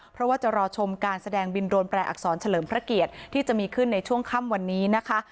เพราะว่าจะรอชมการแสดงบินโรนแปรอักษรเฉลิมพระเกียรติที่จะมีขึ้นในช่วงค่ำวันนี้นะคะ